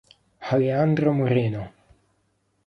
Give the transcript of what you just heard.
Alejandro Moreno